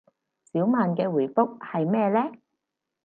小曼嘅回覆係咩呢